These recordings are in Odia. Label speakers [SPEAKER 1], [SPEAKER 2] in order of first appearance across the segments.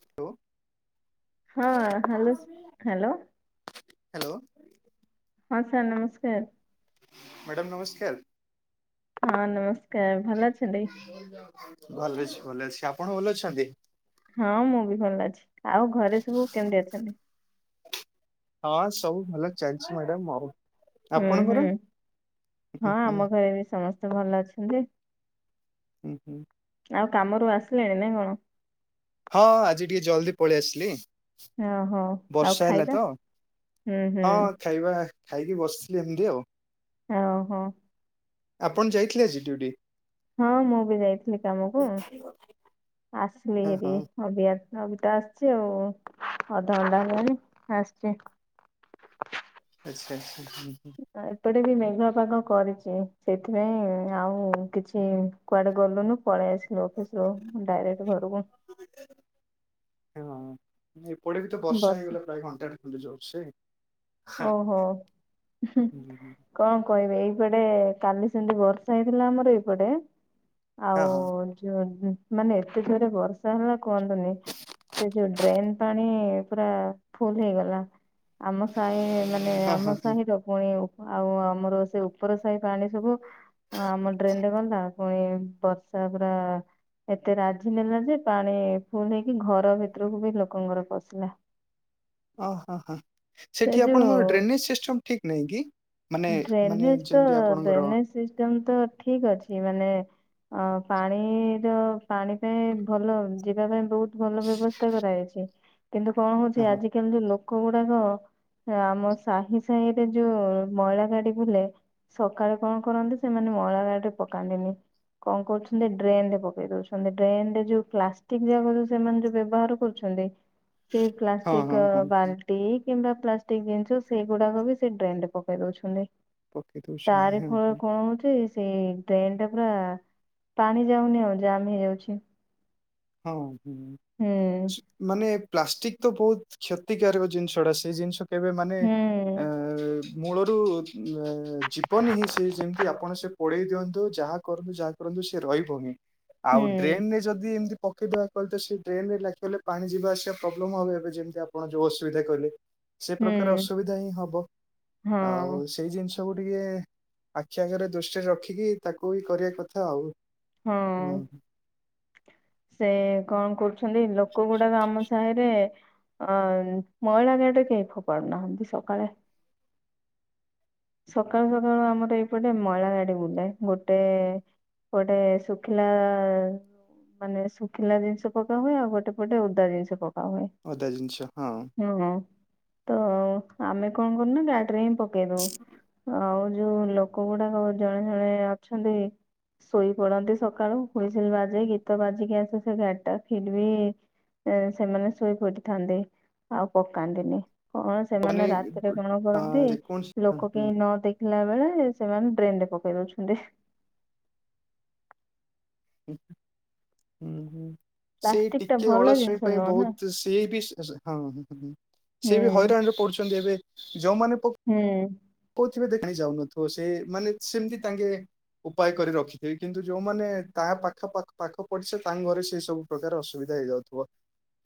[SPEAKER 1] ହାଲୋ।
[SPEAKER 2] ହଁ ହାଲୋ [unintelligible] ହ୍ୟାଲୋ
[SPEAKER 1] ହ୍ୟାଲୋ।
[SPEAKER 2] ହଁ ସାର୍ ନମସ୍କାର।
[SPEAKER 1] ମ୍ୟାଡ଼ାମ ନମସ୍କାର।
[SPEAKER 2] ହଁ ନମସ୍କାର ଭଲ ଅଛନ୍ତି?
[SPEAKER 1] ଭଲ ଅଛି ଭଲ ଅଛି ଆପଣ ଭଲ ଅଛନ୍ତି?
[SPEAKER 2] ହଁ ମୁଁ ବି ଭଲ ଅଛି ଆଉ ଘରେ ସବୁ କେମିତି ଅଛନ୍ତି?
[SPEAKER 1] ହଁ ସବୁ ଭଲ ଚାଲିଛି ମ୍ୟାଡମ ଆଉ।
[SPEAKER 2] ହୁଁ
[SPEAKER 1] ଆପଣଙ୍କର?
[SPEAKER 2] ହୁଁ
[SPEAKER 1] ହୁଁ
[SPEAKER 2] ହଁ
[SPEAKER 1] ହୁଁ
[SPEAKER 2] ଆମ ଘରେ ବି ସମସ୍ତେ ଭଲ ଅଛନ୍ତି।
[SPEAKER 1] ହୁଁ ହୁଁ।
[SPEAKER 2] ଆ କାମରୁ ଆସିଲେଣି ନାଇଁ କଣ
[SPEAKER 1] ହଁ ଆଜି ଟିକେ ଜଲ୍ଦି ପଳେଇ ଆସିଲି।
[SPEAKER 2] ଓହୋ ଆଉ
[SPEAKER 1] ବର୍ଷା ହେଲା
[SPEAKER 2] ଖାଇବା
[SPEAKER 1] ତ
[SPEAKER 2] ହୁଁ ହୁଁ
[SPEAKER 1] ହଁ ଖାଇବା। ଖାଇକି ବସିଥିଲି ଏମିତି ଆଉ
[SPEAKER 2] ଓ ହୋ।
[SPEAKER 1] ଆପଣ ଯାଇଥିଲେ ଆଜି ଡିଉଟି?
[SPEAKER 2] ହଁ ମୁଁ ବି ଯାଇଥିଲି କାମକୁ ଆସିଲି
[SPEAKER 1] ହଁ
[SPEAKER 2] ହେରି
[SPEAKER 1] ହଁ
[SPEAKER 2] ଅବିକା ନବିତା ଆସିଛି ଆଉ ଅଧଘଣ୍ଟା ହେଲାଣି ଆସଛି
[SPEAKER 1] ଆଛା ଆଛା।
[SPEAKER 2] ଏପଟେ ବି ମେଘୁଆ ପାଗ କରିଛି ସେଇଥିପାଇଁ ଆଉ କିଛି କୁଆଡେ ଗଲୁନୁ ପଳେଇ ଆସିଲୁ ଅଫିସରୁ ଡାଇରେକ୍ଟ୍ ଘରକୁୁ
[SPEAKER 1] ହଁ ଏପଟେ ବି ତ ବର୍ଷା ହେଇଗଲା ପ୍ରାୟ ଘଣ୍ଟାଟେ ଖଣ୍ଣ୍ଡେ ଯୋର୍ ସେ।
[SPEAKER 2] ଓହୋ କଣ କହିବି ଏଇ ଏପଟେ କାଲି ସେମିତି ବର୍ଷା ହେଇଥିଲା ଆମର ଏପଟେ
[SPEAKER 1] ହଁ
[SPEAKER 2] ଆଉ
[SPEAKER 1] ହଁ
[SPEAKER 2] ଯୋ ମାନେ ଏତେ ଯୋରେ ବର୍ଷା ହେଲା କୁହନ୍ତୁନି। ସେ ଯୋଉ ଡ୍ରେନ ପାଣି ପୁରା ଫୁଲ ହେଇଗଲା ଆମ ସାହି ମାନେ
[SPEAKER 1] ହଁ
[SPEAKER 2] ଆମ
[SPEAKER 1] ହଁ
[SPEAKER 2] ସାହି ର ପୁଣି ଆଉ ଆମର ସେ ଉପର ସାହି ପାଣି ସବୁ ଆମ ଡ୍ରେନ ରେ [unintelligible] କ ପୁଣି ବର୍ଷା ପୁରା ଏତେ ରାଜି ନେଲା ଯେ ପାଣି ପୁଣି ଯାଇଁ ଘର ଭିତରକୁ ଲୋକଙ୍କର ପସିଲା।
[SPEAKER 1] ଓ ହ ହ
[SPEAKER 2] ସେ
[SPEAKER 1] ସେଠି ଆପଣଙ୍କର
[SPEAKER 2] ଯୋଉ
[SPEAKER 1] ଡ୍ରେନେଜ ସିଷ୍ଟମ ଠିକ ନାହିଁ କି? ମାନେ ମାନେ
[SPEAKER 2] ଡ୍ରେନେଜ ତ
[SPEAKER 1] ଯେମିତି ଆପଣଙ୍କର ହଁ
[SPEAKER 2] ଡ୍ରେନେଜ ସିଷ୍ଟମ ତ ଠିକ ଅଛି ମାନେ ଅ ପାଣିର ପାଣି ପାଇଁ ଭଲ ଯିବା ପାଇଁ ବହୁତ ଭଲ ବ୍ୟବସ୍ଥା କରାଯାଇଛି। କିନ୍ତୁ କଣ ହଉଛି
[SPEAKER 1] ହଁ
[SPEAKER 2] ଆଜିକାଲି ଯୋଉ ଲୋକ ଗୁଡାକ ଆମ ସାହି ସାହିରେ ଯୋଉ ମଇଳା ଗାଡି ବୁଲେ, ସକାଳେ କଣ କରନ୍ତି ସେମ୍ ମାନେ ମଇଳା ଗାଡିରେ ପକାନ୍ତିନି କଣ କରୁଛନ୍ତି ଡ୍ରେନରେ ପକେଇ ଦଉଛନ୍ତି। ଡ୍ରେନରେ ଯୋଉ ପ୍ଲାଷ୍ଟିକ ଯାକ ଯୋଉ ସେମାନେ ଯୋଉ ବ୍ୟବହାର କରୁଛ ନ୍ତି, ସେ
[SPEAKER 1] ହଁ ହଁ
[SPEAKER 2] ପ୍ଲାଷ୍ଟିକ
[SPEAKER 1] ହଁ।
[SPEAKER 2] ବାଲ୍ଟି କିମ୍ବା ପ୍ଲାଷ୍ଟିକ ଜିନିଷ ସେଇଗୁଡାକ ବି ସେ ଡ୍ରେନରେ ପକେଇ ଦଉଛନ୍ତି।
[SPEAKER 1] ପକେଇ ଦଉଛନ୍ତି
[SPEAKER 2] ତାରି
[SPEAKER 1] ହଁ
[SPEAKER 2] ଫଳରେ
[SPEAKER 1] ହଁ
[SPEAKER 2] କଣ ହଉଛି ସେଇ ଡ୍ରେନଟା ପୁରା ପାଣି ଯାଉନି ଆଉ ଜାମ ହେଇଯାଉଛି।
[SPEAKER 1] ହଁ ହଁ
[SPEAKER 2] ହୁଁ
[SPEAKER 1] ଆଚ୍ଛା। ମାନେ ପ୍ଲାଷ୍ଟିକ୍ ତ ବହୁତ କ୍ଷତିକାରକ ଜିନିଷଟା ସେଇ ଜିନିଷ କେବେ ମାନେ ଏଁ
[SPEAKER 2] ହୁଁ
[SPEAKER 1] ମୂଳରୁ ଏଁ ଯିବନି ହିଁ ସେ ଯେମତି ଆପଣ ସେ ପୋଡେଇ ଦିଅନ୍ତୁ ଯାହା କରନ୍ତୁ ଯାହା କରନ୍ତୁ ସେ ରହିବନି। ଆଉ
[SPEAKER 2] ହୁଁ
[SPEAKER 1] ଡ୍ରେନରେ ଯଦି ଏମିତି ପକେଇଦବା କହିଲେ ତ ସେ ଡ୍ରେନ୍ ରେ ଲାଖିଗଲେ ପାଣି ଯିବା ଆସିବା ପ୍ରୋବ୍ଲେମ ହବ ଏବେ ଯେମତି ଆପଣ ଯୋଉ ଅସୁବିଧା କହିଲେ। ସେ ପ୍ରକାର
[SPEAKER 2] ହୁଁ
[SPEAKER 1] ଅସୁବିଧା ହିଁ ହବ।
[SPEAKER 2] ହଁ
[SPEAKER 1] ଆଉ ସେଇ ଜିନିଷ ସବୁ ଟିକେ ଆଖି ଆଗରେ ଦୃଷ୍ଟିରେ ରଖିକି ତାକୁ ବି କରିବା କଥା ଆଉ।
[SPEAKER 2] ହଁ। ସେ କଣ କରୁଛନ୍ତି ଲୋକ ଗୁଡାକ ଆମ ସାହିରେ ଅ ମଇଳା ଗାଡ଼ିରେ କେହି ଫୋପାଡୁନାହାଁନ୍ତି ସକାଳେ ସକାଳୁ ସକାଳୁ ଆମର ଏଇପଟେ ମଇଳା ଗାଡି ବୁଲେ। ଗୋଟେ ପଟେ ଶୁଖିଲା ମାନେ ଶୁଖିଲା ଜିନିଷ ପକାହୁଏ ଆଉ ଗୋଟେ ପଟେ ଓଦା ଜିନିଷ ପକା ପକାହୁଏ
[SPEAKER 1] ଅଦା ଜିନିଷ ହଁ।
[SPEAKER 2] ହୁଁ। ତ ଆମେ କଣ କରୁନା ଗାଡିରେ ହିଁ ପକେଇ ଦଉ। ଆଉ ଯୋଉ ଲୋକ ଗୁଡାକ ଜଣେ ଜଣେ ଅଛନ୍ତି ଶୋଇ ପଡନ୍ତି ସକାଳୁ, ହୁଇସିଲ ବାଜେ, ଗୀତ ବାଜିକି ଆସେ ସେ ଗାଡିଟା ଫିର ବି ସେମାନେ ଶୋଇପଡିଥାନ୍ତି ଆଉ ପକାନ୍ତିନି। କଣ
[SPEAKER 1] ମାନେ
[SPEAKER 2] ସେମାନେ ରାତିରେ କଣ କରନ୍ତି,
[SPEAKER 1] ଯେକୌଣସି ହଁ
[SPEAKER 2] ଲୋକ
[SPEAKER 1] ହଁ।
[SPEAKER 2] କେହି ନ ଦେଖି ଥିଲା ବେଳେ ସେମାନେ ଡ୍ରେନରେ ପକେଇ ଦଉଛନ୍ତି।
[SPEAKER 1] ହୁଁ ହୁଁ। ସେଇ
[SPEAKER 2] ପ୍ଲାଷ୍ଟିକ ଟା
[SPEAKER 1] ଟିକେ
[SPEAKER 2] ଭଲ
[SPEAKER 1] ଅଳସୁଆମି
[SPEAKER 2] ଜିନିଷ
[SPEAKER 1] ପାଇଁ
[SPEAKER 2] ନୁହଁ ନା
[SPEAKER 1] ବହୁତ ସିଏ ବି ହଁ। ସିଏ
[SPEAKER 2] ହୁଁ
[SPEAKER 1] ବି ହଇରାଣରେ ପଡୁଛନ୍ତି ଏବେ ଯୋଉମାନେ ପକ
[SPEAKER 2] ହୁଁ
[SPEAKER 1] ପକଉ ଥିବେ ଦେଖା ହିଁ ଯାଉନଥିବ ସେ ମାନେ ସେମିତି ତାଙ୍ଗେ ଉପାୟ କରି ରଖିଥିବି କିନ୍ତୁ ଯୋଉମାନେ ତା ପାଖ ପାଖ ପାଖକୁ ପଡ଼ିଶା ତାଙ୍କ ଘରେ ସେଇ ସବୁ ପ୍ରକାର ଅସୁବିଧା ହେଇଯାଉଥିବ।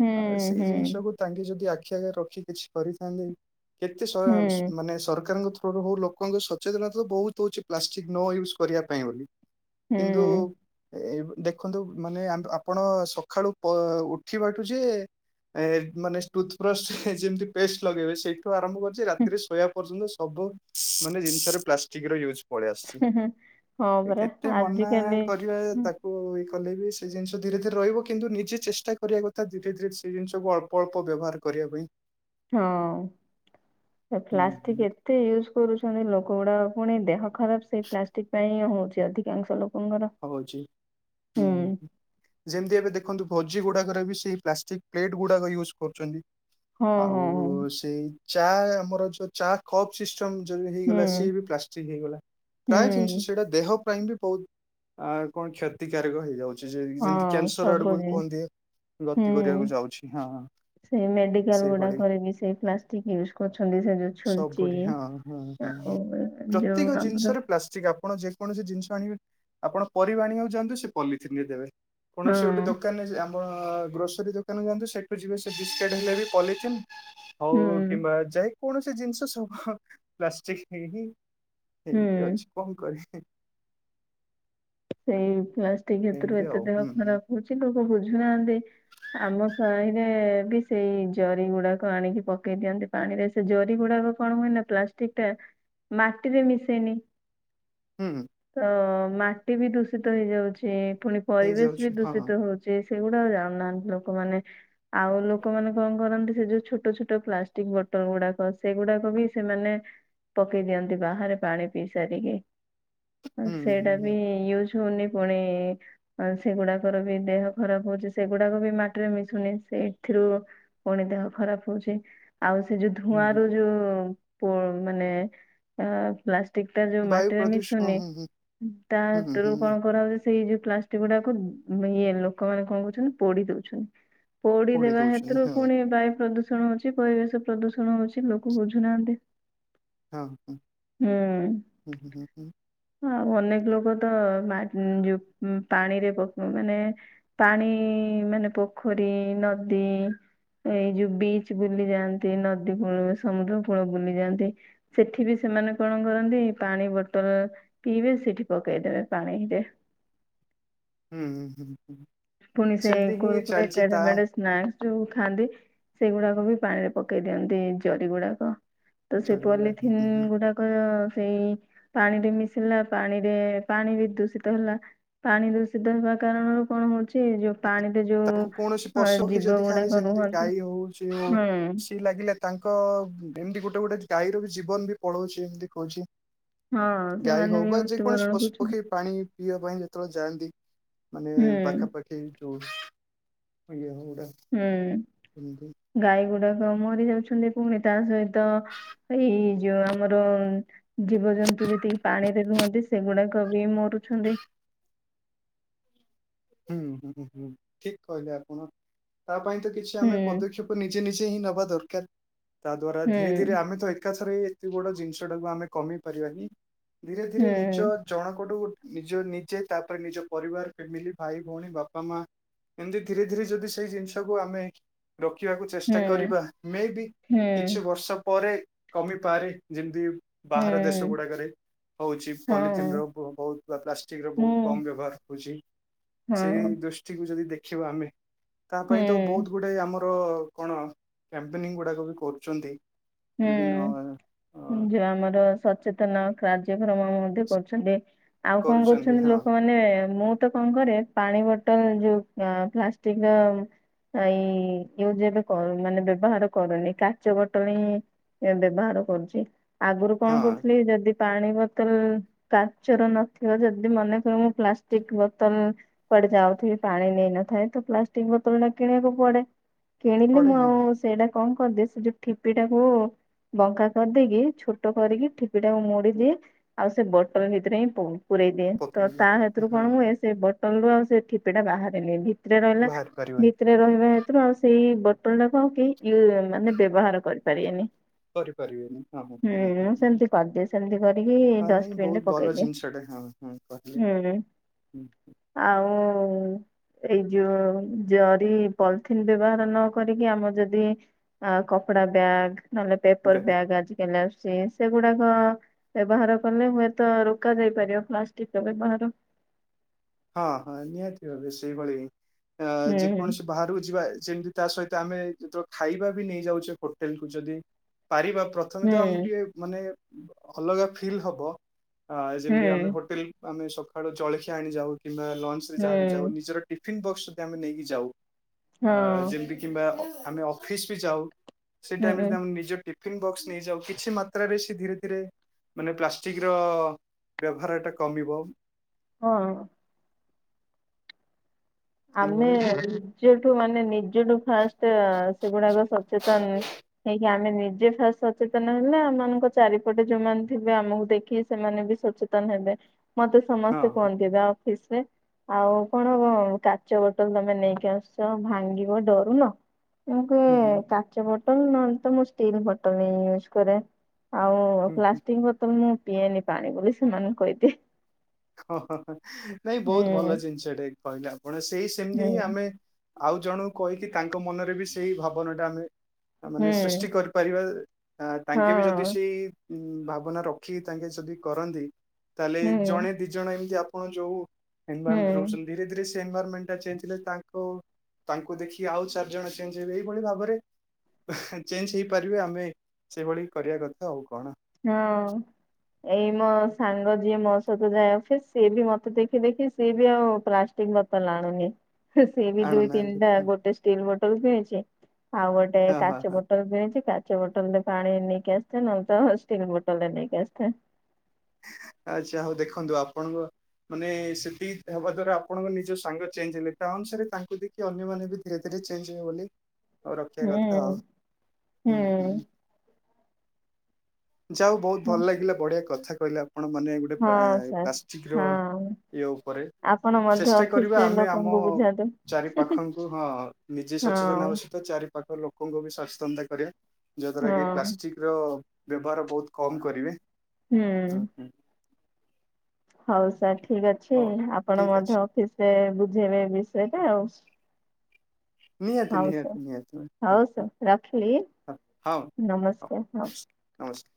[SPEAKER 2] ହୁଁ
[SPEAKER 1] ସେଇ
[SPEAKER 2] ହୁଁ
[SPEAKER 1] ଜିନିଷକୁ ତାଙ୍କେ ଯଦି ଆଖି ଆଖି ଆଗରେ ରଖି କିଛି କରିଥାନ୍ତେ କେତେ ସ
[SPEAKER 2] ହୁଁ
[SPEAKER 1] ଏ ମାନେ ସରକାରଙ୍କ ଥ୍ରୁ ରୁ ହଉ ଲୋକଙ୍କ ସଚେତନତା ତ ବହୁତ ହଉଛି ପ୍ଲାଷ୍ଟିକ୍ ନ ୟୁଜ୍ କରିବା ପାଇଁ ବୋଲି।
[SPEAKER 2] ହୁଁ ହୁଁ,
[SPEAKER 1] କିନ୍ତୁ ଏବ୍ ଦେଖନ୍ତୁ ମାନେ ଆମେ ଆପଣ ସଖାଳୁ ଉଠିବାଠୁ ଯେ ମାନେ ଟୁଥ ବ୍ରଷ୍ଟ ଯେମିତି ପେଷ୍ଟ ଲଗେଇବେ ସେଇ ଠୁ ଆରମ୍ଭ କରୁଛି
[SPEAKER 2] ହୁଁ,
[SPEAKER 1] ରାତିରେ ଶୋଇବା ପର୍ଯ୍ୟନ୍ତ ସବୁ ମାନେ ଜିନିଷରେ ପ୍ଲାଷ୍ଟିକର ୟୁଜ ପଳେଇ ଆସିଛି।
[SPEAKER 2] ହୁଁ। ହଁ ପରା
[SPEAKER 1] କେତେ ମନା
[SPEAKER 2] ଆଜିକାଲି
[SPEAKER 1] କରିବା ତାକୁ କଲେ ବି ସେ ଜିନିଷ ଧୀରେ ଧୀରେ ରହିବ କିନ୍ତୁ ନିଜେ ଚେଷ୍ଟା କରିବା କଥା ଧୀରେ ଧୀରେ ସେ ଜିନିଷକୁ ଅଳ୍ପ ଅଳ୍ପ ବ୍ୟବହାର କରି କରିବା ପାଇଁ
[SPEAKER 2] ହଁ
[SPEAKER 1] ହୁଁ ହୁଁ,
[SPEAKER 2] ପ୍ଲାଷ୍ଟିକ ଏତେ ୟୁଜ କରୁଛନ୍ତି ଲୋକ ଗୁଡ଼ାକ ପୁଣି ଦେହ ଖରାପ ସେଇ ପ୍ଲାଷ୍ଟିକ ପାଇଁ ହିଁ ହଉଛି ଅଧିକାଂଶ ଲୋକ
[SPEAKER 1] ହଉଛି ହୁଁ। ଯେମତି ଏବେ ଦେଖନ୍ତୁ ଭୋଜି ଗୁଡାକରେ ବି ସେଇ ପ୍ଲାଷ୍ଟିକ ପ୍ଲେଟ ଗୁଡାକ ୟୁଜ କରୁଛନ୍ତି।
[SPEAKER 2] ହଁ ହଁ
[SPEAKER 1] ଆଉ
[SPEAKER 2] ହଁ
[SPEAKER 1] ସେଇ ଚା ଆମର ଯୋଉ ଚା କପର ସି ଚଙ୍ଗ୍ ଜଲଦି
[SPEAKER 2] ହୁଁ
[SPEAKER 1] ହେଇଗଲା ସିଏ ବି ପ୍ଲାଷ୍ଟିକ ହେଇଗଲା ପ୍ରାୟ
[SPEAKER 2] ହୁଁ
[SPEAKER 1] ଜିନିଷ ସେଇଟା ଦେହ ପାଇଁ ବି ବହୁତ ଆ କଣ କ୍ଷତିକାରକ ହେଇଯାଉଛି ଯେମତି
[SPEAKER 2] ହଁ
[SPEAKER 1] କ୍ୟାନସର
[SPEAKER 2] ସବୁ
[SPEAKER 1] ଆଡକୁ
[SPEAKER 2] ଜିନିଷ
[SPEAKER 1] କୁହନ୍ତି। ଗତି କରିବାକୁ
[SPEAKER 2] ହୁଁ
[SPEAKER 1] ଯାଉଛି ହଁ।
[SPEAKER 2] ସେଇ ମେଡିକାଲ
[SPEAKER 1] ସେଇଭଳି
[SPEAKER 2] ଗୁଡାକରେ ବି ସେଇ ପ୍ଲାଷ୍ଟିକ ୟୁଜ କରୁଛନ୍ତି ସେ ଯୋଉ ଛୁଞ୍ଚି
[SPEAKER 1] ସବୁଠି ହଁ ହଁ ହଁ।
[SPEAKER 2] ଆଉ ଯୋଉ
[SPEAKER 1] ପ୍ରତ୍ୟେକ
[SPEAKER 2] ଆମର
[SPEAKER 1] ଜିନିଷରେ ପ୍ଲାଷ୍ଟିକ ଆପଣ ଯେ କୌଣସି ଜିନିଷ ଆଣିବେ ଆପଣ ପରିବା ଆଣିବାକୁ ଯାଆନ୍ତୁ ସେ ପଲିଥିନରେ ଦେବେ
[SPEAKER 2] ହଁ
[SPEAKER 1] କୌଣସି ଗୋଟେ ଦୋକାନରେ ଆପଣ ଗ୍ରୋସରୀ ଦୋକାନ ଯାଆନ୍ତୁ ସେଠୁ ଯିବେ ସେ ବିସ୍କେଟ୍ ହେଲେ ବି ପଲିଥିନ୍ ହଉ
[SPEAKER 2] ହୁଁ
[SPEAKER 1] କିମ୍ବା ଯା କୌଣସି ଜିନିଷ ସବୁ ପ୍ଲାଷ୍ଟିକରେ ହିଁ- ଏଇଠି
[SPEAKER 2] ହୁଁ
[SPEAKER 1] ଅଛି କଣ କରିବି।
[SPEAKER 2] ସେଇ ପ୍ଲାଷ୍ଟିକ କ୍ଷେତରୁ
[SPEAKER 1] ଏମିତି
[SPEAKER 2] ଏତେ
[SPEAKER 1] ଆଉ
[SPEAKER 2] ଦେହ
[SPEAKER 1] ହୁଁ ହୁଁ
[SPEAKER 2] ଖରାପ ହଉଛି ଲୋକ ବୁଝୁନାହାନ୍ତି। ଆମ ସାହିଁରେ ବି ସେଇ ଜରି ଗୁଡାକ ଆଣିକି ପକେଇ ଦିଅନ୍ତି ପାଣି ରେ ସେ ଜରି ଗୁଡା କଣ ହୁଏ ପ୍ଲାଷ୍ଟିକ ଟା ମାଟିରେ ମିଶେନି।
[SPEAKER 1] ହୁଁ।
[SPEAKER 2] ତ ମାଟି ବି ଦୂଷିତ ହେଇଯାଉଛି। ପୁଣି ପରିବେଶ ବି
[SPEAKER 1] ହେଇଯାଉଛି ହଁ ହଁ
[SPEAKER 2] ଦୂଷିତ ହଉଛଚି। ସେଗୁଡା ଆଉ ଜାଉନାହାନ୍ତି ଲୋକମାନେ ଆଉ ଲୋକମାନେ କଣ କରନ୍ତି ସେ ଯୋଉ ଛୋଟ ଛୋଟ ପ୍ଲାଷ୍ଟିକ ବଟ ହଟଲ ଗୁଡାକ ସେଗୁଡାକ ବି ସେମାନେ ପକେଇ ଦିଅନ୍ତି ବାହାରେ ପାଣି ପିଇ ସାରିକି
[SPEAKER 1] ହୁଁ ହୁଁ ହୁଁ।
[SPEAKER 2] ୟ ହଉନି ପୁଣି ସେଗୁଡାର ବି ଦେହ ଖରାପ ହଉଛି ସେଗୁଡାକ ବି ମାଟିରେ ମି ଶୁନି ସେଇଥିରୁ ପୁଣି ଦେହ ଖରାପ ହଉଛି। ଆଉ ସେ ଯୋଉ
[SPEAKER 1] ହୁଁ
[SPEAKER 2] ଧୂଆଁ
[SPEAKER 1] ହୁଁ
[SPEAKER 2] ର ଯୋଉ ମାନେ ପ୍ଲା ଟିକ ତା ଯୋଉ
[SPEAKER 1] ବାୟୁ
[SPEAKER 2] ମାଟିରେ
[SPEAKER 1] ପ୍ରଦୂଷଣ
[SPEAKER 2] ମିଶୁନି
[SPEAKER 1] ହୁଁ ହୁଁ ହୁଁ ହୁଁ
[SPEAKER 2] ତାତୁରୁ
[SPEAKER 1] ହୁଁ
[SPEAKER 2] କଣ କରନ୍ତି ସେଇ ଯୋଉ ପ୍ଲାଷ୍ଟିକ ଗୁଡାକୁ ଇଏ ଲୋକମାନେ କଣ କହୁଛନ୍ତି ପୋଡି ଦଉଛନ୍ତି। ପୋଡି ଦେବା
[SPEAKER 1] ଦଉଛନ୍ତି
[SPEAKER 2] ହେତୁରୁ
[SPEAKER 1] ହଁ
[SPEAKER 2] ପୁଣି ବାୟୁ ପ୍ରଦୂଷ ଣ ହଉଛି ପରିବେଶ ପ୍ରଦୂଷଣ ହଉଛି ଲୋକ ବୁଝୁନାହାନ୍ତି।
[SPEAKER 1] ହଁ ହଁ
[SPEAKER 2] ହୁଁ
[SPEAKER 1] ହୁଁ ହୁଁ ହୁଁ ହଁ ହୁଁ।
[SPEAKER 2] ଆଉ ଅନେକ ଲୋକ ତ ପାଣିରେ ପକ ମାନେ ପାଣି ମାନେ ପୋଖରୀ ନଦୀ ଏଇ ଯୋଉ ବିଚ ବୁଲି ଯାଆନ୍ତି ନଦୀ କୂଳ ସମୁଦ୍ର କୂଳ ବୁଲି ଯାଆନ୍ତି ସେଠି ବି ସେ ସେମାନେ କଣ କରନ୍ତି ପାଣି ବୋତଲ ପିଇବେ ସିଠି ପକେଇଦେବେ ପାଣେଇରେ।
[SPEAKER 1] ହୁଁ ହୁଁ ହୁଁ ହୁଁ।
[SPEAKER 2] ପୁଣି ସେ
[SPEAKER 1] ସେମିତି ହିଁ
[SPEAKER 2] କୁୁରକୁଡେ
[SPEAKER 1] ଚାଲିଛି
[SPEAKER 2] ଟେଢ଼େ
[SPEAKER 1] ତା
[SPEAKER 2] ମେଢ଼େ ସ୍ନାକ୍ସ। ଯୋଉ ଖାଆନ୍ତି ସେଇଗୁଡାକ ବି ପାଣି ରେ ପକେଇ ଦିଅନ୍ତି ଜରି ଗୁଡାକ। ତ ସେ
[SPEAKER 1] ଚଢିଗୁଡା
[SPEAKER 2] ପଲିଥିନ୍ ଗୁଡାକ ସେଇ ପାଣିରେ ମିଶିଲା ପାଣିରେ ପାଣି ବି ଦୂଷିତ ହେଲା ପାଣି ଦୂଷିତ ହେବା କାରଣରୁ କଣ ହଉଚି
[SPEAKER 1] ତାଙ୍କୁ କୌଣସି ପଶୁ ପକ୍ଷୀ
[SPEAKER 2] ଜୀବ
[SPEAKER 1] ଯଦି ଖାଆନ୍ତି
[SPEAKER 2] ଗୁଡାକ
[SPEAKER 1] ଯେମିତି
[SPEAKER 2] ରୁହନ୍ତି
[SPEAKER 1] ଗାଈ ହଉ ସେଏ ହଉ
[SPEAKER 2] ହୁଁ
[SPEAKER 1] ସିଏ ଲାଗିଲେ ତାଙ୍କ ଏମିତି ଗୋଟେ ଗୋଟେ ଗାଈର ବି ଜୀବନ ବି ପଳଉଛି ଏମିତି କହୁଛି
[SPEAKER 2] ହଁ
[SPEAKER 1] ଗାଈ
[SPEAKER 2] ସେମାନେ
[SPEAKER 1] ହଉ
[SPEAKER 2] ବି
[SPEAKER 1] ବା ଯେକୌଣସି
[SPEAKER 2] ମୃତ୍ୟୁବରଣ
[SPEAKER 1] ପଶୁ
[SPEAKER 2] କରୁଛନ୍ତି।
[SPEAKER 1] ପକ୍ଷୀ ପାଣି ପିଇବା ପାଇଁ ଯେତେବେଳେ ଜାଇ ନ୍ତି ମାନେ
[SPEAKER 2] ହୁଁ
[SPEAKER 1] ପାଖାପାଖି ଯୋଉ ଇଏ ହଉ
[SPEAKER 2] ହୁଁ ଗାଈ ଗୁଡା ମରି ଯାଉଛନ୍ତି ପୁଣି ତା ସହିତ ଏଇ ଯୋଉ ଆମର ଜୀବଜନ୍ ତୁ ଯେତିକି ପାଣି ରେ ରୁହନ୍ତି ସେଗୁଡାକ ବି ମରୁଛନ୍ତି।
[SPEAKER 1] ହଁ [inaudible] ହୁଁ ହୁଁଁ ହୁଁ ଠିକ କହିଲେ ଆପଣ ତା ପାଇଁ ତ କିଛି
[SPEAKER 2] ହୁଁ
[SPEAKER 1] ଆମେ ପଦକ୍ଷେପ ନିଜେ ନିଜେ ହିଁ ନବା ଦରକାର ତା ଦ୍ଵାରା
[SPEAKER 2] ହୁଁ
[SPEAKER 1] ଧୀରେ ଧୀରେ ଆମେ ତ ଏକାଥରେ ଏତେବଡ ଜିନିଷ ଟାକୁ ଆମେ କମେଇ ପାରିବାନି ଧୀରେ ଧୀରେ ନିଜ
[SPEAKER 2] ହୁଁ
[SPEAKER 1] ଜଣକଠୁ ନିଜ ନିଜେ ତାପରେ ନିଜ ପରିବାର ଫ୍ୟାମିଲି। ଭାଇ ଭଉଣୀ ବାପା ମା ଏମିତି ଧୀରେ ଧୀରେ ଯଦି ସେଇ ଜିନିଷକୁ ଆମେ ରଖିବାକୁ
[SPEAKER 2] ହୁଁ
[SPEAKER 1] ଚେଷ୍ଟା କରିବା ମେ ବି
[SPEAKER 2] ହୁଁ
[SPEAKER 1] କିଛି ବର୍ଷ ପରେ କମିପାରେ ଯେମିତି ବାହାର ଦେଶ
[SPEAKER 2] ହୁଁ।
[SPEAKER 1] ଗୁଡାକରେ। ହୋଉଚି
[SPEAKER 2] ହଁ
[SPEAKER 1] ପଲିଥିନ ର ବୋହୁତ ବା ପ୍ଲାଷ୍ଟିକ ର
[SPEAKER 2] ମୁଁ
[SPEAKER 1] ବୋହୁତ କମ ବ୍ୟବହାର ହୋଉଚି।
[SPEAKER 2] ହଁ
[SPEAKER 1] ସେଇ ଦୃଷ୍ଟିକୁ ଯଦି ଦେଖିବା ଆମେ ତା ପାଇଁ ତ
[SPEAKER 2] ହୁଁ
[SPEAKER 1] ବୋହୁତ ଗୁଟେ ଆମର ଆ କଣ କ୍ୟାପେନିଂ ଗୁଡାକ ବି କରୁଚନ୍ତି।
[SPEAKER 2] ହୁଁ ଯ ଆମର ସଚେତନ କାର୍ଯ୍ୟକ୍ରମ ମଧ୍ୟ କରୁଛନ୍ତି, ଆଉ କ କରୁଛନ୍ତି ଲୋକମାନେ ମୁଁ ତ କ କରେ ପାଣି ବୋଟଲ ଯୋଉ ପା ପ୍ଲାଷ୍ଟିକ ର ଏଇ ୟଉଜ ଏବେ କର ମାନେ ବ୍ୟବହାର କରୁନି କାଚ ବୋତଲ୍ ହିଁ ଏ ବ୍ୟବହାର କରୁଚି ଆଗରୁ କଣ
[SPEAKER 1] ହଁ
[SPEAKER 2] କରୁଥିଲି ଯଦି ପାଣି ବୋତଲ କାଚର ନଥିବ ଯଦି ମନେକ ମୁଁ ପ୍ଲାଷ୍ଟିକ ବୋତଲ କଟ ଯାଉଥିବି ପାଣି ନେଇ ନଥାଏ ତ ପ୍ଲାଷ୍ଟିକ ବୋତଲ କିଣିବାକୁ ପଡ଼େ। କିଣିଲି
[SPEAKER 1] ପଡେ
[SPEAKER 2] ମୁଁ ଆଉ
[SPEAKER 1] ହଁ
[SPEAKER 2] ସେଇଟା କଣ କରିଦିଏ ସେ ଯୋଉ ଠିପିଟାକୁ ବଙ୍କା କରିଦେଇକି ଛୋଟ କରିକି ଠିପିଟାକୁ ମୋଡ଼ି ଦିଏ, ଆଉ ସେ ବୋଟଲ ଭିତରେ ହିଁ ପଉ ପୂରେଇ ଦିଏ ତ
[SPEAKER 1] ପକେଇବି
[SPEAKER 2] ତା ହେତୁରୁ କଣ
[SPEAKER 1] ହଁ
[SPEAKER 2] ହୁଏ ସେ ବୋଟଲ ରୁ ଆଉ ସେ ଠିପି ଟା ବାହାରାରେନି। ଭିତରେ ରହିଲା
[SPEAKER 1] ବାହାରି ପାରିବନି
[SPEAKER 2] ଭିତରେ ରହିବା ହେତରୁ ଆଉ ସେହି ବୋତଲ ଟାକୁ ଆଉ କେହି ୟୁରେରଲ୍ ମାନେ ବ୍ୟବହାର କରିପାରେଏନି।
[SPEAKER 1] କରିପାରିବେନି ହଁ ହଁ,
[SPEAKER 2] ହୁଁ
[SPEAKER 1] ହଁ,
[SPEAKER 2] ମୁଁ
[SPEAKER 1] ହଁ।
[SPEAKER 2] ସେମିତି କରିଦିଏ ସେମିତି କରିକି
[SPEAKER 1] ହଁ ନାଇଁ
[SPEAKER 2] ଡଷ୍ଟବିନ ରେ
[SPEAKER 1] ବହୁତ ଭଲ
[SPEAKER 2] ପକେଇଦିଏ।
[SPEAKER 1] ଜିନିଷଟେ ହଁ ହଁ କହିଲେ।
[SPEAKER 2] ହୁଁ।
[SPEAKER 1] ହୁଁ,
[SPEAKER 2] ଆଉ ଏଇ ଯୋଉ ଜରି ପଲିଥିନ୍ ବ୍ୟବହାର ନ କରିକି ଆମ ଯଦି ଆ କପଡ଼ା ବ୍ୟାଗ ନହେଲେ
[SPEAKER 1] ବେ
[SPEAKER 2] ପେପର ବ୍ୟାଗ ଆଜି କାଲି ସେ ସେଗୁଡାକ ବ୍ୟବହାର କଲେ ହୁଏତ ରୋକ ଯାଇ ପାରିବ ପ୍ଲାଷ୍ଟିକ ର ବ୍ୟବହାର।
[SPEAKER 1] ହଁ ହଁ ନିହାତି ଜରୁରି ସେଇଭଳି ଆ
[SPEAKER 2] ହୁଁ
[SPEAKER 1] ଯେକୌଣସି ବାହାରକୁ ଯିବା ଯେମିତି ତା ସହି ଆମେ ତୋ ତୋ ଖାଇବା ବି ନେଇ ଯାଉଚେ ହୋଟେଲ କୁ ଯଦି ପାରିବା ପ୍ରଥମେ
[SPEAKER 2] ହୁଁ
[SPEAKER 1] ତ ଆମ ଟିକେ ମାନେ ଅଲଗା ଫିଲ୍ ହବ। ଆ
[SPEAKER 2] ହୁଁ
[SPEAKER 1] ଯେମତି ଆମେ ହୋଟେଲ ଆମେ ସକାଳୁ ଜଳଖିଆ ଆଣି ଯାଉ କିମ୍ବା ଲଞ୍ଚ ରେ
[SPEAKER 2] ହୁଁ
[SPEAKER 1] ଯାହାବି ଯାଉ ନିଜର ଟି ପିନ୍ ବକ୍ସ୍ ଆମେ ନେଇକି ଯାଉ,
[SPEAKER 2] ହୁଁ
[SPEAKER 1] ଆ
[SPEAKER 2] ହଁ
[SPEAKER 1] ଯେମିତି କିମ୍ବା ଆମେ ଅଫିସ ବି ଯାଉ ସେଇ ଟାଇମରେ
[SPEAKER 2] ହୁଁ
[SPEAKER 1] ଯଦି ଆମେ ନିଜ ଟିଫନ୍ ବକ୍ସ୍ ନେଇଯାଉ କିଛି ମାତ୍ରାରେ ସେ ଧୀରେ ଧୀରେ ମାନେ ପ୍ଲାଷ୍ଟିକ ର ବ୍ୟବହାର ଟା କମିବ
[SPEAKER 2] ହଁ। ଆମେ
[SPEAKER 1] ସେଇଭଳି
[SPEAKER 2] ନିଜଠୁ ମାନେ ନିଜଠୁ ଫାଷ୍ଟ ତେ ସେଗୁଡାକ ସଚେତନ ନେ ନେଇକି ଆନ୍ ଆମେ ନିଜେ ଫାଷ୍ଟ ସଚେତନ ହେଲେ ଆମମାନଙ୍କ ଚାରିପଟେ ଯୋଉମାନେ ଥିବେ ଆମକୁ ଦେଖିକି ସେମାନେ ବି ସଚେତନ୍ ହେଲେ ମତେ
[SPEAKER 1] ହଁ।
[SPEAKER 2] ସମସ୍ତେ କୁହନ୍ତିିବ ଅଫିସ ରେ ଆଉ କଣ କା କାଚ ବୋଟଲ ତମେ ନେଇକି ଆସୁଛ ଭାଙ୍ଗିବ ଡରୁନ ମୁଁ କୁହେ
[SPEAKER 1] ହୁଁ ହୁଁ
[SPEAKER 2] କାଚ ବଟଲ ବୋଟଲ ନଲେ ତ ମୁଁ ଷ୍ଟିଲ୍ ବୋଟଲ ହଁ ୟୁଜ୍ କରେ ଆଉ
[SPEAKER 1] ହୁଁ ହୁଁ
[SPEAKER 2] ପ୍ଲାଷ୍ଟିକ ବଟଲ ପିଏନି ପାଣି ବୋଲି ସେମାନଙ୍କୁ କହିଦିଏ।
[SPEAKER 1] ହଁ ହଁ ହଁ ନାଇଁ ବୋହୁତ ଭଲ
[SPEAKER 2] ହୁଁ
[SPEAKER 1] ଜିନିଷଟେ କହିଲେ ଆପଣ ସେଇ ସେମିତି ହିଁ
[SPEAKER 2] ହୁଁ
[SPEAKER 1] ଆମେ ଆଉ ଜଣଙ୍କୁ କହିକି ତାଙ୍କ ମନରେ ବି ସେଇ ଭାବନା ଟା ଆମେ ଆ ମାନେ
[SPEAKER 2] ହୁଁ
[SPEAKER 1] ସୃଷ୍ଟି କରିପାରିବା ଆ ତାଙ୍କେ ବି ଯଦି
[SPEAKER 2] ହଁ
[SPEAKER 1] ସେଇ ଉଁ ଭାବନା ରଖିକି ତାଙ୍କେ ଯଦି କରନ୍ତି ତାହେଲେ
[SPEAKER 2] ହୁଁ।
[SPEAKER 1] ଜଣେ ଦି ଜଣ ଏମିତି ଆପଣ ଯୋଉ
[SPEAKER 2] ହୁଁ
[SPEAKER 1] [unintelligible] ରହୁଛନ୍ତି ଧୀରେ ଧୀରେ ସେ ଏନଭରମେଣ୍ଟାଥିଲେ ତାଙ୍କ ତାଙ୍କୁ ଦେଖି ଆଉ ଚାରିଜଣ ଚେଞ୍ଜ ହେଇବେ ଏଇଭଳି ଭାବରେ ଚେଞ୍ଜ ହେଇପାରିବେ ଆମେ ସେଇଭଳି କରିବା କଥା ଆଉ କଣ।
[SPEAKER 2] ହଁ ଏଇ ମୋ ସାଙ୍ଗ ଯିଏ ମୋ ସହିତ ଯାଏ ଅଫିସ୍ ସିଏ ବି ମତେ ଦେଖି ଦେଖି ସିଏ ବି ଆଉ ପା ତିନ୍ ବୋତଲ ଆଣୁନି। ହଁଃ ସେ ବି ଦୁଇ
[SPEAKER 1] ଆଣୁନାହାନ୍ତି
[SPEAKER 2] ତିନିଟା ଗୋଟେ ଷ୍ଟିଲ୍ ବୋଟଲ ପିଇଛି। ଆଉ ଗୋଟେ
[SPEAKER 1] ହଁ ହଁ
[SPEAKER 2] କାଚ
[SPEAKER 1] ହଁ
[SPEAKER 2] ବୋଟଲ ପିଉଛି। କାଚ ବୋଟଲରେ ପାଣି ନେଇକି ଆସିଛି। ନହେଲେ ତ ଷ୍ଟିଲ୍ ବୋଟଲରେ ନେଇକି ଆସିଥାଏ।
[SPEAKER 1] ଆଚ୍ଛା ହଉ ଦେଖନ୍ତୁ ଆପଣଙ୍କ ମାନେ ସେଠି ହେବା ଦ୍ଵାରା ଆପଣଙ୍କ ନିଜ ସାଙ୍ଗ ଚେଞ୍ଜ ହେଲେ। ତା ଅନୁସାରେ ତାଙ୍କୁ ଦେଖି ଅନ୍ୟମାନେ ବି ଧୀରେ ଧୀରେ ଚେଞ୍ଜ ହେବେ ବୋଲି ଆଉ ରଖିବା କଥା
[SPEAKER 2] ହୁଁ
[SPEAKER 1] ଆଉ। ହୁଁ ହୁଁ। ଯାଉ ବହୁତ୍ ଭଲ ଲାଗିଲା ବଢ଼ିଆ କଥା କହିଲେ ଆପଣ ମାନେ ଗୋଟେ
[SPEAKER 2] ହଁ
[SPEAKER 1] ଏଁ
[SPEAKER 2] ସାର୍
[SPEAKER 1] ପ୍ଲାଷ୍ଟିକର
[SPEAKER 2] ହଁ
[SPEAKER 1] ଇଏ ଉପରେ।
[SPEAKER 2] ଆପଣ ମଧ୍ୟ
[SPEAKER 1] ଚେଷ୍ଟା କରିବା
[SPEAKER 2] ଅଫିସରେ
[SPEAKER 1] ଆମେ ଆମ
[SPEAKER 2] ଲୋକଙ୍କୁ ବୁଝାନ୍ତୁ।
[SPEAKER 1] ଚାରି ପାଖଙ୍କୁ ହଁ ନିଜେ ସ ସଚେତନ
[SPEAKER 2] ହଁ
[SPEAKER 1] ଆବଶ୍ୟକ ଚାରି ପାଖ ଲୋକଙ୍କୁ ବି ସଚେତନତା କରିବା। ଯ ଦ୍ଵାରା କି
[SPEAKER 2] ହଁ
[SPEAKER 1] ପ୍ଲାଷ୍ଟିକର ବ୍ୟବହାର ବହୁତ୍ କମ୍ କରିବେ।
[SPEAKER 2] ହୁଁ। ହଉ ସାର୍ ଠିକ୍ ଅଛି।
[SPEAKER 1] ହଉ।
[SPEAKER 2] ଆପଣ
[SPEAKER 1] ଠିକ
[SPEAKER 2] ମଧ୍ୟ
[SPEAKER 1] ଅଛି
[SPEAKER 2] ଅଫିସରେ ବୁଝେଇବେ ଏ ବିଷୟରେ ଆଉ।
[SPEAKER 1] ନିହାତି
[SPEAKER 2] ହଉ ସାର୍
[SPEAKER 1] ନିହାତି ନିହାତି।
[SPEAKER 2] ହଉ ସାର୍ ରଖିଲି
[SPEAKER 1] ହଁ ହଉ ହଉ ନମସ୍କାର ନମସ୍କାର।